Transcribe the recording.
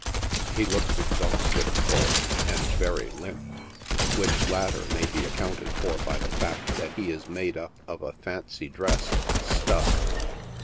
He looks ex AN ARION BALL. 115 hausted, of course, and very limp— which latter may he accounted for by the fact that he is made up of a fancy dress, stuffed.